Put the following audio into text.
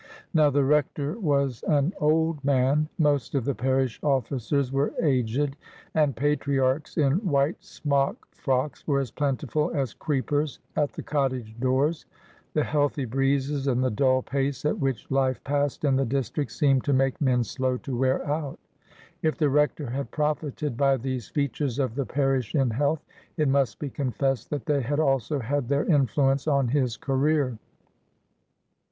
Now the Rector was an old man. Most of the parish officers were aged, and patriarchs in white smock frocks were as plentiful as creepers at the cottage doors. The healthy breezes and the dull pace at which life passed in the district seemed to make men slow to wear out. If the Rector had profited by these features of the parish in health, it must be confessed that they had also had their influence on his career.